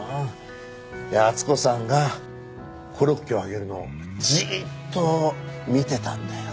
で温子さんがコロッケを揚げるのをじーっと見てたんだよ。